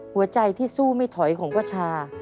หัวใจที่สู้ไม่ถอยของประชา